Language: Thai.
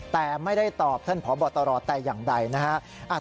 แต่ไม่ได้ตอบท่านพบตรแต่อย่างใดนะครับ